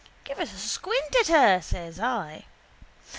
—Give us a squint at her, says I.